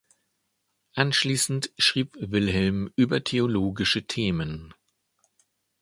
Anschließend schrieb Wilhelm über theologische Themen.